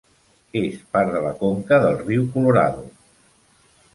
És part de la conca del riu Colorado.